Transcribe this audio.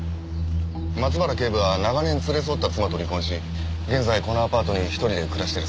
松原警部は長年連れ添った妻と離婚し現在このアパートに１人で暮らしてるそうです。